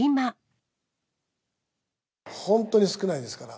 本当に少ないですから。